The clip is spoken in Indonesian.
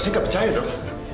saya gak percaya dok